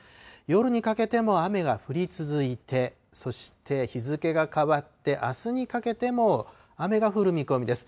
夜にかけても雨が降り続いて、そして日付が変わってあすにかけても、雨が降る見込みです。